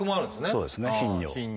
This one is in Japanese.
そうですね「頻尿」。